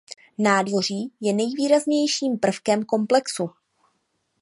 Nádvoří je nejvýraznějším prvkem komplexu.